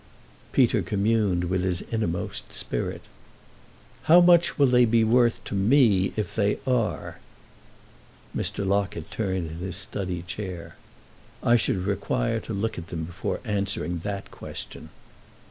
Peter communed with his innermost spirit. "How much will they be worth to me if they are?" Mr. Locket turned in his study chair. "I should require to look at them before answering that question."